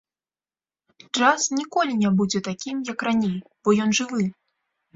Джаз ніколі не будзе такім, як раней, бо ён жывы.